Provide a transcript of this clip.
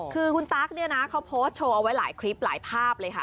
คือคุณตั๊กเนี่ยนะเขาโพสต์โชว์เอาไว้หลายคลิปหลายภาพเลยค่ะ